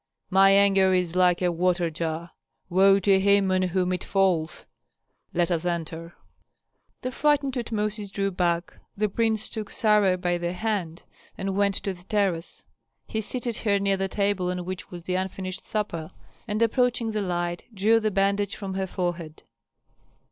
"My anger is like a water jar. Woe to him on whom it falls! Let us enter." The frightened Tutmosis drew back. The prince took Sarah by the hand and went to the terrace. He seated her near the table on which was the unfinished supper, and approaching the light drew the bandage from her forehead.